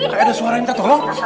kayaknya ada suara yang minta tolong